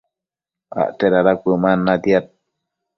acte dada cuëman natiad